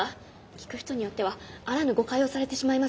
聞く人によってはあらぬ誤解をされてしまいます。